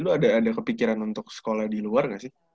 lu ada kepikiran untuk sekolah di luar gak sih